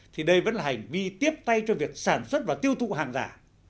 thì đây vẫn là hành vi tiếp tay cho việc sản xuất và tiêu thụ hàng giả